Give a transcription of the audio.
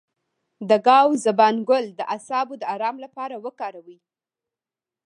د ګاو زبان ګل د اعصابو د ارام لپاره وکاروئ